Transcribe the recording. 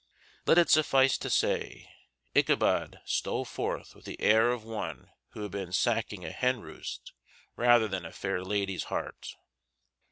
Let it suffice to say, Ichabod stole forth with the air of one who had been sacking a hen roost, rather than a fair lady's heart.